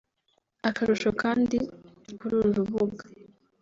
Akarusho kandi kuri uru rubuga